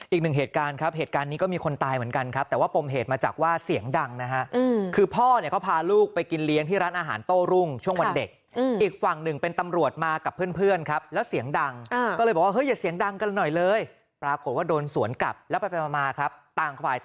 อีกหนึ่งเหตุการณ์ครับเหตุการณ์นี้ก็มีคนตายเหมือนกันครับแต่ว่าปมเหตุมาจากว่าเสียงดังนะฮะคือพ่อเนี่ยเขาพาลูกไปกินเลี้ยงที่ร้านอาหารโต้รุ่งช่วงวันเด็กอีกฝั่งหนึ่งเป็นตำรวจมากับเพื่อนครับแล้วเสียงดังก็เลยบอกว่าเฮ้ยอย่าเสียงดังกันหน่อยเลยปรากฏว่าโดนสวนกลับแล้วไปมาครับต่างฝ่าย